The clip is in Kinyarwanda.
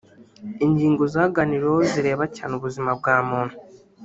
Ingingo zaganiriweho zireba cyane ubuzima bwa muntu